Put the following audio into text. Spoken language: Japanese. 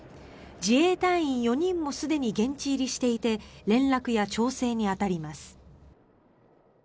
自衛隊員４人もすでに現地入りしていて連絡や調整に当たります。